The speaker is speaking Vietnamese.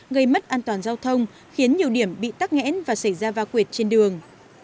gây mất an toàn giao thông khiến nhiều điểm bị tắc nghẽn và xảy ra va quyệt trên đường